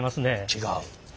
違う。